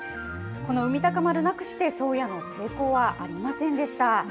この海鷹丸なくして、宗谷の成功はありませんでした。